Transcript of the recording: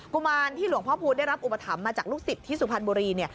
กุมารที่หลวงพ่อภูได้รับอุปถัมภ์มาจากลูกสิบที่สุภัณฑบุรี